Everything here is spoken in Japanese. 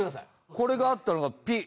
これがあったのがピッ。